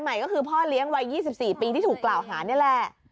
ใหม่ก็คือพ่อเลี้ยงวัย๒๔ปีที่ถูกกล่าวหานี่แหละ